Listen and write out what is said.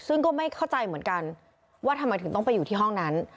ซึ่งก็ไม่เข้าใจเหมือนกันว่าทำไมถึงต้องไปอยู่ที่ห้องนั้น